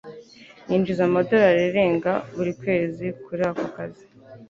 Yinjiza amadorari arenga buri kwezi kuri ako kazi.